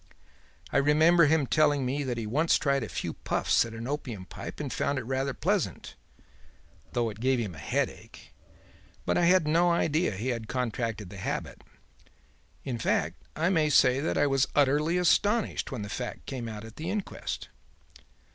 I remember him telling me that he once tried a few puffs at an opium pipe and found it rather pleasant, though it gave him a headache. But I had no idea he had contracted the habit; in fact, I may say that I was utterly astonished when the fact came out at the inquest."